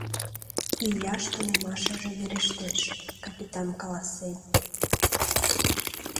— Ияш тунемашыже верештеш, — капитан каласен.